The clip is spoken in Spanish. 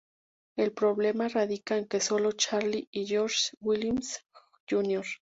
El problema radica en que solo Charlie y George Willis, Jr.